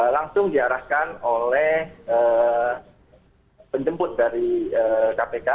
langsung diarahkan oleh penjemput dari kpk